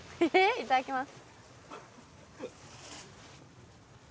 いただきます。